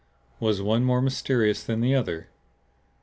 Was one more mysterious than the other?